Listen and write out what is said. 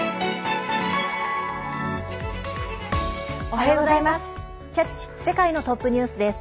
おはようございます。